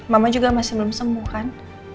mama juga masih belum sembuh kan